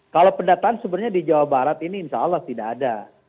kalau pendataan sebenarnya di jawa barat ini insya allah tidak ada